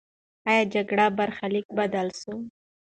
آیا د جګړې برخلیک بدل سو؟